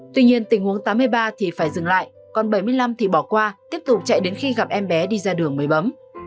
tuy nhiên tình huống tám mươi ba thì phải dừng lại còn bảy mươi năm thì bỏ qua tiếp tục chạy đến khi gặp em bé đi ra đường mới bấm